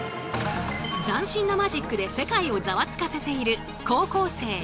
斬新なマジックで世界をざわつかせている高校生ＭＨ。